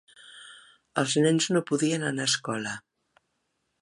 Els nens no podien anar a escola.